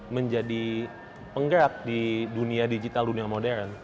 menjadi penggerak di dunia digital dunia modern